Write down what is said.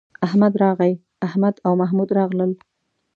احمد راغی، احمد او محمود راغلل